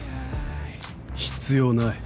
必要ない。